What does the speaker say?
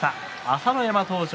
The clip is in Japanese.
朝乃山、登場。